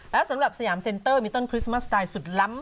แล้วสำหรับสยามเซ็นเตอร์มีต้นคริสต์มาสไตล์สุดล้ำ